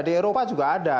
di eropa juga ada